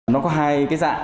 nó có hai dạng